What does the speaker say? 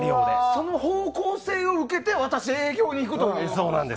その方向性を受けて私、営業にいくという。